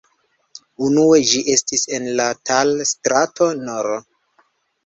Unue ĝi estis en la Tal-strato nr.